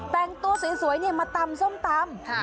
แต่งตัวสวยมาตำส้มตำ